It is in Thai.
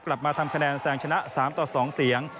กลับมาทำคะแนนแซงชนะ๓ต่อ๒เสียง